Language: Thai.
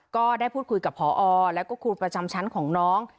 ก็ได้พูดคุยกับพอแล้วก็ครูประจำชั้นของน้อง